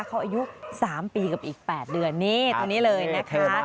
เขาอายุ๓ปีกับอีก๘เดือนนี่ตัวนี้เลยนะคะ